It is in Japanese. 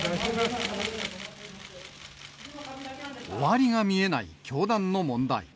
終わりが見えない教団の問題。